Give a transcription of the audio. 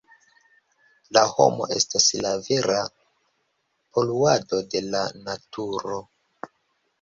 La homo estas la vera poluado de la naturo!